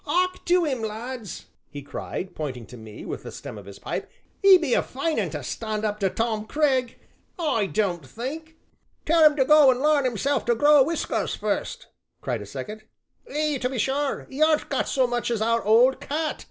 "'Ark to 'im, lads," he cried, pointing to me with the stern of his pipe, "'e be a fine un to stand up to Tom Cragg I don't think." "Tell 'un to go an' larn hisself to grow whiskers fust!" cried a second. "Ay, to be sure, 'e aren't got so much as our old cat!"